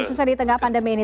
khususnya di tengah pandemi ini